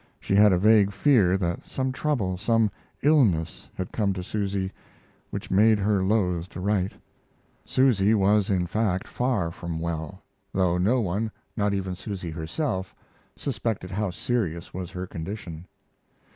She had a vague fear that some trouble, some illness, had come to Susy which made her loath to write. Susy was, in fact, far from well, though no one, not even Susy herself, suspected how serious was her condition.